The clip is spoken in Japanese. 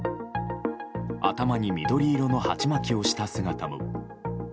頭に緑色の鉢巻きをした姿も。